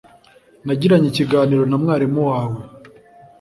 Nagiranye ikiganiro na mwarimu wawe.